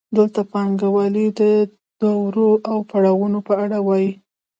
دلته د پانګوالۍ د دورو او پړاوونو په اړه وایو